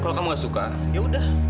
kalau kamu gak suka yaudah